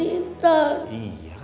iya kakak mau dibawa